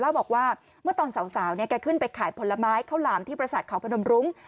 เล่าบอกว่าเมื่อตอนสาวเนี่ยแกขึ้นไปขายผลไม้ข้าวหลามที่ประสาทเขาพนมรุ้ง